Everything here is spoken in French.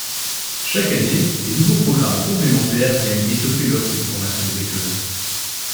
Chaque année des nouveaux programmes complémentaires viennent étoffer l'offre de formation de l'École.